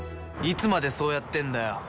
いつまでそうやってんだよ